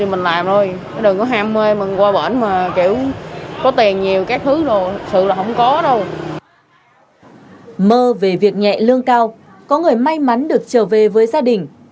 mơ về việc nhẹ lương cao có người may mắn được trở về với gia đình